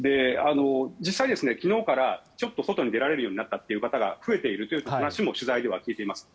実際には昨日からちょっと外に出られるようになった方も増えているということを取材では聞いています。